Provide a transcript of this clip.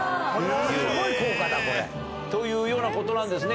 すごい効果だこれ。というようなことなんですね。